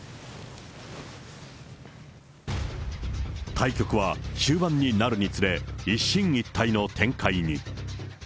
対局は、終盤になるにつれ、一進一退の展開に。